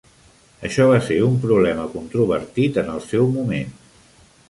Això va ser un problema controvertit en el seu moment.